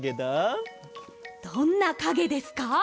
どんなかげですか？